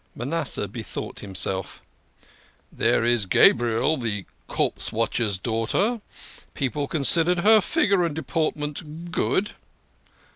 Manasseh bethought himself. " There is Gabriel, the corpse watcher's daughter. People consider his figure and deportment good."